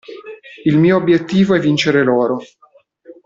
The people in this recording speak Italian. Il mio obiettivo è vincere l'oro.